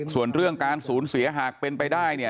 ส่วนเรื่องการสูญเสียหากเป็นไปได้เนี่ย